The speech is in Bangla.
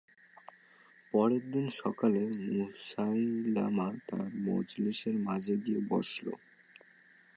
পরদিন সকালে মুসায়লামা তার মজলিসের মাঝে গিয়ে বসল।